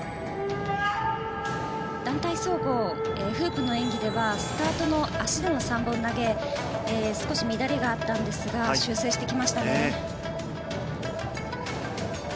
団体総合フープの演技ではスタートの足での３本投げ少し乱れがあったんですが修正してきましたね。